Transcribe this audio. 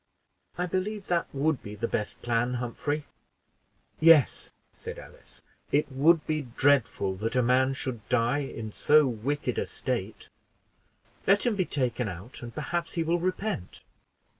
"I believe that would be the best plan, Humphrey." "Yes," said Alice, "it would be dreadful that a man should die in so wicked a state; let him be taken out, and perhaps he will repent."